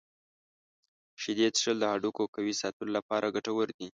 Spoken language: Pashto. شیدې څښل د هډوکو قوي ساتلو لپاره ګټور دي.